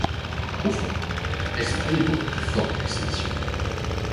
Au fond, elle se croyait beaucoup plus forte que ces messieurs.